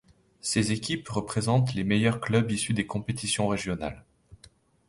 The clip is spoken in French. Ces équipes représentent les meilleurs clubs issus des compétitions régionales.